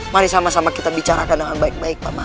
mari sama sama kita bicarakan dengan baik baik paman